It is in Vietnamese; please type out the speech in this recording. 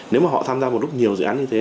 nếu mà họ tham gia một lúc nhiều dự án như thế